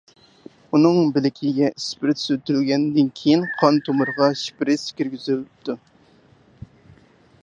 ئۇنىڭ بىلىكىگە ئىسپىرت سۈرتۈلگەندىن كېيىن، قان تومۇرىغا شپىرىس كىرگۈزۈلۈپتۇ.